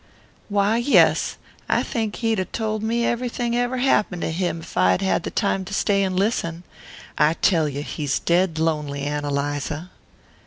"Why, yes. I think he'd a' told me everything ever happened to him if I'd had the time to stay and listen. I tell you he's dead lonely, Ann Eliza."